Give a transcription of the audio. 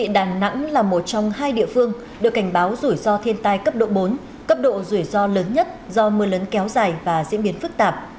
đà nẵng là một trong hai địa phương được cảnh báo rủi ro thiên tai cấp độ bốn cấp độ rủi ro lớn nhất do mưa lớn kéo dài và diễn biến phức tạp